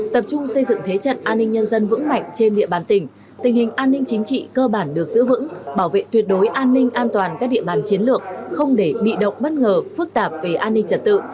tập trung xây dựng thế trận an ninh nhân dân vững mạnh trên địa bàn tỉnh tình hình an ninh chính trị cơ bản được giữ vững bảo vệ tuyệt đối an ninh an toàn các địa bàn chiến lược không để bị động bất ngờ phức tạp về an ninh trật tự